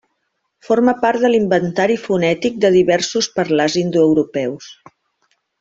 Forma part de l'inventari fonètic de diversos parlars indoeuropeus.